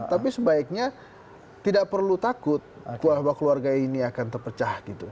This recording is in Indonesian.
tapi sebaiknya tidak perlu takut bahwa keluarga ini akan terpecah gitu